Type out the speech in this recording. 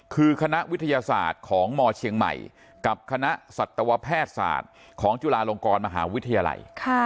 คือคณะวิทยาศาสตร์ของมเชียงใหม่กับคณะสัตวแพทย์ศาสตร์ของจุฬาลงกรมหาวิทยาลัย